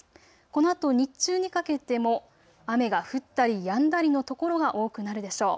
このあと日中にかけても雨が降ったりやんだりの所が多くなるでしょう。